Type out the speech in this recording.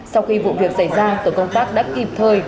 sau khi vụ việc xảy ra tổ công tác đã kịp thời